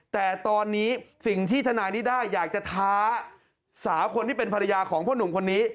แต่ตอนนี้สิ่งที่ทนายนิด้าอยากจะท้าสาวคนที่เป็นภรรยาของพ่อหนุ่มคนนี้